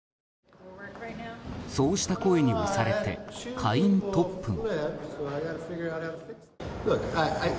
そうした声に押されて下院トップも。